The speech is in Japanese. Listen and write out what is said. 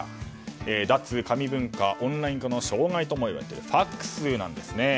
脱紙文化、オンライン化の障害ともいわれているＦＡＸなんですね。